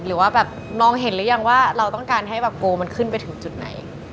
หรือว่าแบบมองเห็นหรือยังว่าเราต้องการให้แบบโกมันขึ้นไปถึงจุดไหน